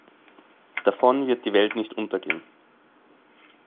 Davon wird die Welt nicht untergehen.